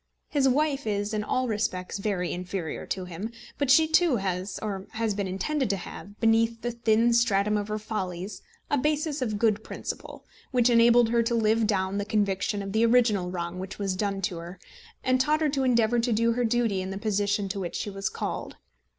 His wife is in all respects very inferior to him; but she, too, has, or has been intended to have, beneath the thin stratum of her follies a basis of good principle, which enabled her to live down the conviction of the original wrong which was done to her, and taught her to endeavour to do her duty in the position to which she was called.